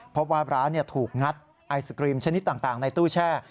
พบว่าร้านถูกงัดไอศกรีมชนิดต่างในตู้แช่